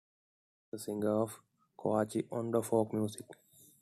He is a singer of Kawachi ondo folk music.